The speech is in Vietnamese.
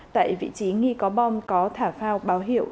tại vị trí nghi có bom có thả phao báo hiệu